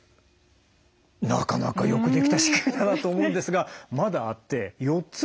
なかなかよくできた仕組みだなと思うんですがまだあって４つ目がこちら。